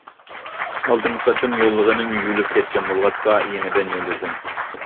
ئالدىنقى قېتىم يوللىغىنىم يۇيۇلۇپ كەتكەن بولغاچقا يېڭىدىن يوللىدىم.